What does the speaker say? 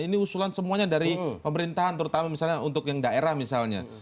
ini usulan semuanya dari pemerintahan terutama misalnya untuk yang daerah misalnya